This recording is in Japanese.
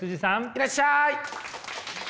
いらっしゃい！